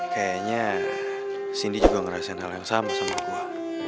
kayaknya cindy juga ngerasain hal yang sama sama gue